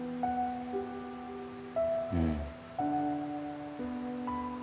うん。